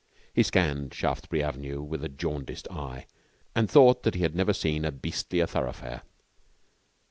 He scanned Shaftesbury Avenue with a jaundiced eye, and thought that he had never seen a beastlier thoroughfare.